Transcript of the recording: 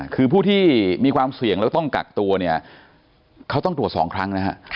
คือผู้ที่มีความเสี่ยงแล้วต้องกักตัวเนี่ยเขาต้องตรวจ๒ครั้งนะฮะ